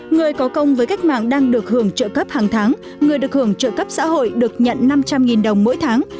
người có công với cách mạng đang được hưởng trợ cấp hàng tháng người được hưởng trợ cấp xã hội được nhận năm trăm linh đồng mỗi tháng